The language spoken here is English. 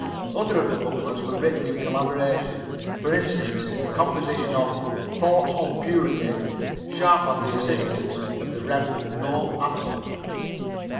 Other of the booklets were written in collaboration. For instance, in the composition of "Thoughts on Purity," Sharper had the assistance of the Reverend Noel Atall.